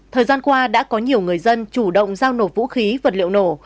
thời gian qua đã có nhiều người dân chủ động giao nộp vũ khí vật liệu nổ